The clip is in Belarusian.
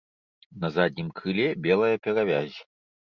На заднім крыле белая перавязь.